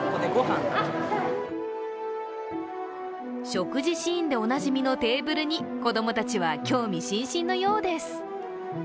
食事シーンでおなじみのテーブルに、子供たちは興味津々のようです。